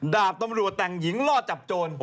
ดาบต้อนรับแต่งหญิงลอดจับโจร